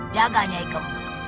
jaganya i kembang